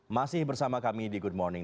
masih bersama kami di good morning